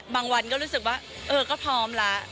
บางวันก็รู้สึกว่าเออก็พร้อมแล้ว